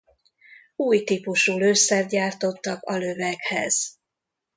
Új típusú lőszert gyártottak a löveghez.